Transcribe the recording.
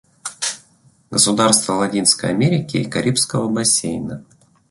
Государства Латинской Америки и Карибского бассейна.